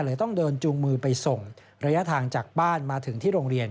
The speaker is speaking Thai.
ต้องเดินจูงมือไปส่งระยะทางจากบ้านมาถึงที่โรงเรียน